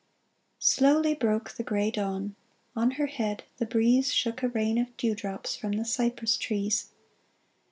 Slowly broke the gray dawn : On her head the breeze Shook a rain of dew drops From the cypress trees.